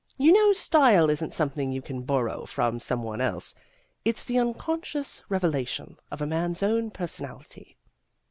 You know style isn't something you can borrow from some one else; it's the unconscious revelation of a man's own personality."